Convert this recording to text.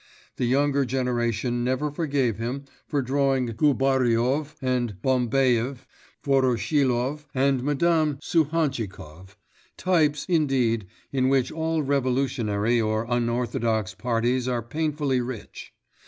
The younger generation never forgave him for drawing Gubaryov and Bambaev, Voroshilov and Madame Suhantchikov types, indeed, in which all revolutionary or unorthodox parties are painfully rich.